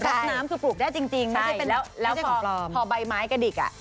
ไม่ใช่เป็นของปลอมค่ะใช่ใช่พอใบไม้กระดิกอะ